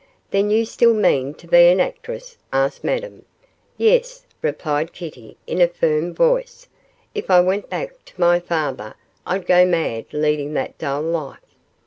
'Then you still mean to be an actress?' asked Madame. 'Yes,' replied Kitty, in a firm voice; 'if I went back to my father, I'd go mad leading that dull life.